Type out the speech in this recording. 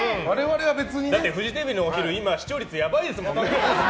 だって今フジテレビのお昼視聴率がやばいですもんね。